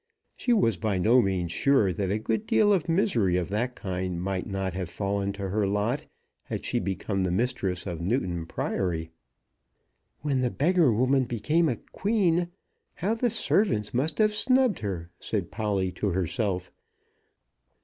She was by no means sure that a good deal of misery of that kind might not have fallen to her lot had she become the mistress of Newton Priory. "When the beggar woman became a queen, how the servants must have snubbed her," said Polly to herself.